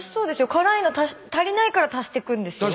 辛いの足りないから足してくんですよ。